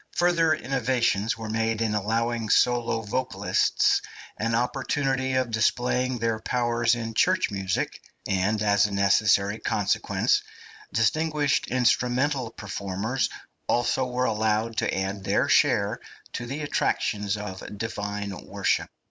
Further innovations were made in allowing solo vocalists an opportunity of displaying their powers in church music; {INSTRUMENTAL MUSIC.} (286) and, as a necessary consequence, distinguished instrumental performers also were allowed to add their share to the attractions of Divine worship.